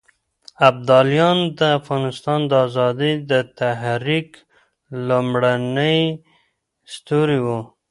ابداليان د افغانستان د ازادۍ د تحريک لومړني ستوري وو.